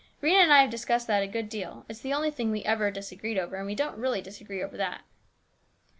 Rhena and I have discussed that a good deal. It's the only thing we ever disagreed over, and we don't really disagree over that."